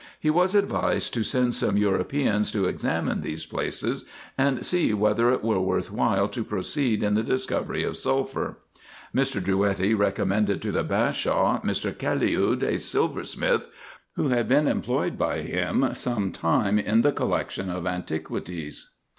He was advised to send some Europeans to examine these places, and see whether it were worth while to proceed in the discovery of sulphur. Mr. 296 RESEARCHES AND OPERATIONS Drouetti recommended to the Bashaw Mr. Caliud, a silversmith, who had been employed by him some time in the collection of antiquities.